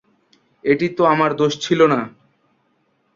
এটি তো আমার দোষ ছিল না।